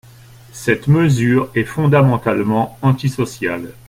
Cette mesure est fondamentalement antisociale.